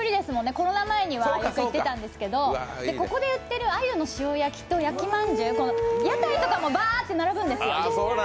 コロナ前には行ってたんですけどここで売っている鮎の塩焼きと焼きまんじゅう、屋台とかもバーッと並ぶんですよ。